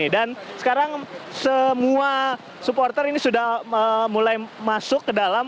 dan sekarang semua supporter ini sudah mulai masuk ke dalam